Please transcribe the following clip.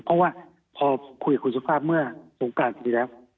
เพราะว่าพอคุยกับคุณสุภาพเมื่อสงการปีนี้แล้ว